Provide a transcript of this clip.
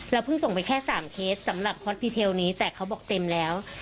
เพิ่งส่งไปแค่๓เคสสำหรับฮอตพีเทลนี้แต่เขาบอกเต็มแล้ว